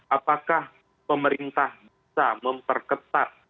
apakah pemerintah bisa memperketat